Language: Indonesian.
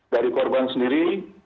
dari korban sendiri